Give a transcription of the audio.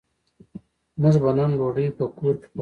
موږ به نن ډوډۍ په کور کی پخوو